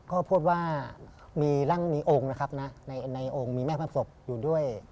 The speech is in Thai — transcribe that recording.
เขาพูดว่ามีร่างศึกษ์หรือองค์นะครับในองค์มีแม่พระศพอยู่ด้วย